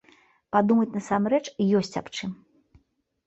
Падумаць насамрэч ёсць аб чым.